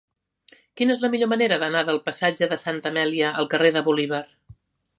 Quina és la millor manera d'anar del passatge de Santa Amèlia al carrer de Bolívar?